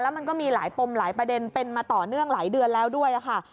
มันก็มีหลายปมหลายประเด็นเป็นมาต่อเนื่องหลายเดือนแล้วด้วยค่ะ